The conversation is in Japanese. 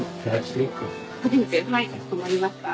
ピンクかしこまりました。